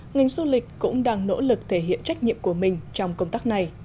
ngành du lịch cũng đang nỗ lực thể hiện trách nhiệm của mình trong công tác này